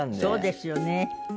そうですよね。